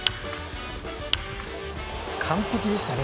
完璧でしたね。